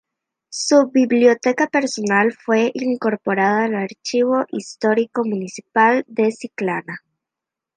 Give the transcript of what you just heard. Su biblioteca personal fue incorporada al Archivo Histórico Municipal de Chiclana.